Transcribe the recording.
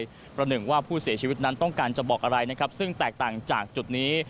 เพราะหนึ่งว่าผู้เสียชีวิตนั้นต้องการจะบอกอะไรนะครับซึ่งแตกต่างจากจุดนี้